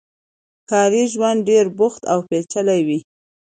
ښاري ژوند ډېر بوخت او پېچلی وي.